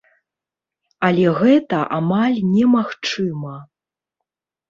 Але гэта амаль немагчыма.